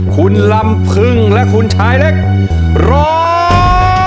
คุณลำพึงและคุณชายเล็กร้อง